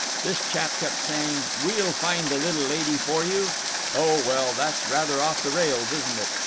This chap kept saying 'We'll find the little lady for you!' Oh, well, that's rather off the rails, isn't it?